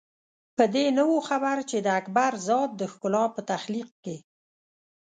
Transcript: په دې نه وو خبر چې د اکبر ذات د ښکلا په تخلیق کې.